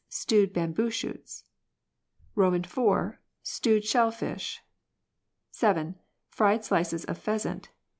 Stewed bamboo shoots. IV. Stewed shell fish. 7. Fried slices of pheasant.